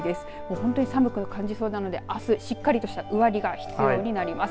本当に寒く感じそうなのであす、しっかりとした上着が必要になります。